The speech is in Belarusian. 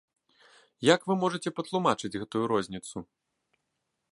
Як вы можаце патлумачыць гэтую розніцу?